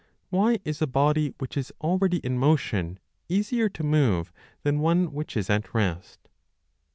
Why is a body which is already in motion easier to move than one which is at rest